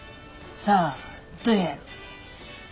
さあどやろ。